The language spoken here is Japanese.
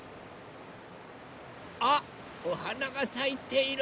あっおはながさいている。